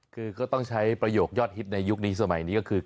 คือก็ต้องใช้ประโยคยอดฮิตในยุคนี้สมัยนี้ก็คือ